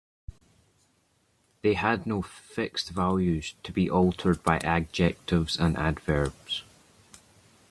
They had no fixed values, to be altered by adjectives and adverbs.